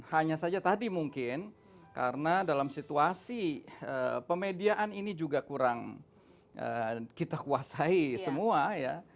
hanya saja tadi mungkin karena dalam situasi pemediaan ini juga kurang kita kuasai semua ya